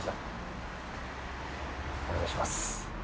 お願いします。